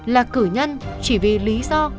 là cử nhân chỉ vì lý do